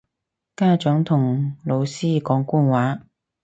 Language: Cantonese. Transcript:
家長同老師講官話